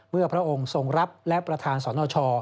พระองค์ทรงรับและประธานสนช